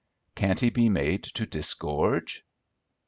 "Can't he be made to disgorge?"